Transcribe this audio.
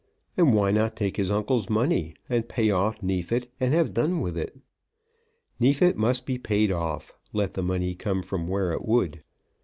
And why not take his uncle's money, and pay off Neefit, and have done with it? Neefit must be paid off, let the money come from where it would.